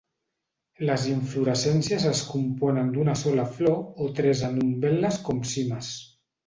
Les inflorescències es componen d'una sola flor o tres en umbel·les com cimes.